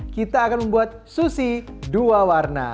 kita akan membuat sushi dua warna